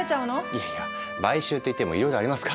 いやいや買収っていってもいろいろありますから。